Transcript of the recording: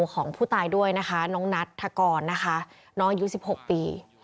ของผู้ตายด้วยนะคะน้องนัทธกรนะคะน้องอายุ๑๖ปี